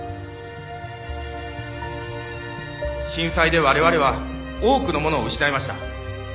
震災で我々は多くのものを失いました。